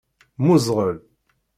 Mmuẓɣel.